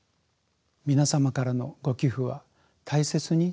皆様からのご寄付は大切に使わせて頂きます。